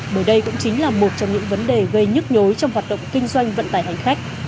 bởi đây cũng chính là một trong những vấn đề gây nhức nhối trong hoạt động kinh doanh vận tải hành khách